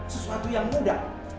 sesuatu yang mudah